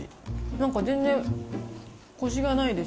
なんか全然こしがないです。